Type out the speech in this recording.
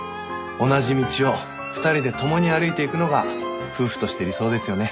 同じ道を２人で共に歩いていくのが夫婦として理想ですよね。